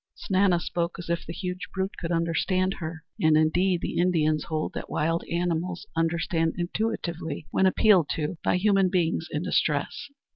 Snana spoke as if the huge brute could understand her, and, indeed, the Indians hold that wild animals understand intuitively when appealed to by human beings in distress.